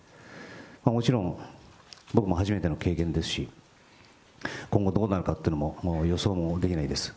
もちろん、僕も初めての経験ですし、今後、どうなるかっていうのも予想もできないです。